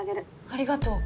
ありがとう。